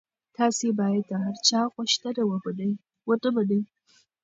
تاسي باید د هر چا غوښتنه ونه منئ.